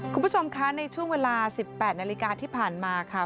คุณผู้ชมคะในช่วงเวลา๑๘นาฬิกาที่ผ่านมาค่ะ